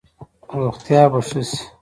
روغتیا به ښه شي؟